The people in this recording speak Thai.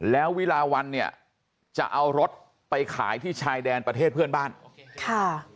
แล้ววิลาวันเนี่ยจะเอารถไปขายที่ชายแดนประเทศเพื่อนบ้านค่ะ